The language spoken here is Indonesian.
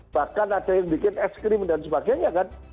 bahkan ada yang bikin es krim dan sebagainya kan